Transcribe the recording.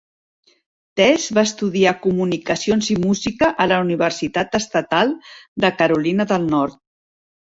Tesh va estudiar comunicacions i música a la Universitat Estatal de Carolina del Nord.